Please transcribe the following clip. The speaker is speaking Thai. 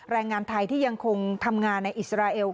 แรงงานไทยที่ยังคงทำงานในอิสราเอล